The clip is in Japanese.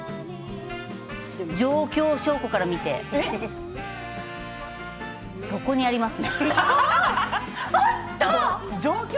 状況証拠から見てそこにあります。